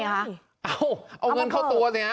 เอาเอาเงินเข้าตัวสิฮะ